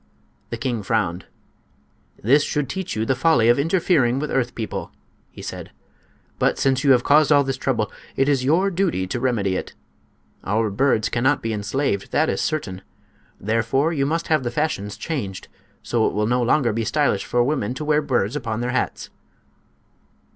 The king frowned. "This should teach you the folly of interfering with earth people," he said. "But since you have caused all this trouble, it is your duty to remedy it. Our birds cannot be enslaved, that is certain; therefore you must have the fashions changed, so it will no longer be stylish for women to wear birds upon their hats."